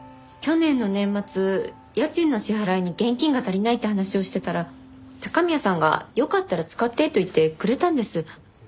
去年の年末家賃の支払いに現金が足りないって話をしてたら高宮さんがよかったら使ってと言ってくれたんです。